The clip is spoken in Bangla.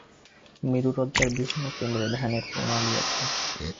মেরুমজ্জার বিভিন্ন কেন্দ্রে ধ্যানের প্রণালী আছে।